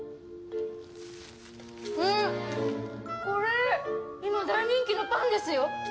これ今大人気のパンですよ。